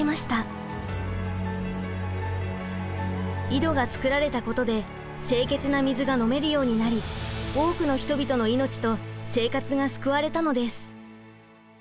井戸が造られたことで清潔な水が飲めるようになり多くの人々の命と生活が救われたのです。